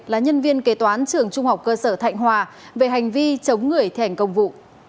là nhân viên kế toán trường trung học cơ sở thạnh hòa về hành vi chống người thi hành công vụ